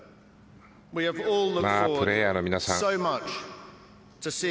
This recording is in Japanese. プレーヤーの皆さん